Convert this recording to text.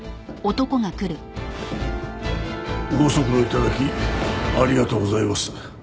ご足労頂きありがとうございます。